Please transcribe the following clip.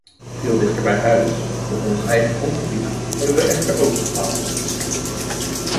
Veel dichter bij huis, op ons eigen grondgebied, hebben we echter ook gefaald.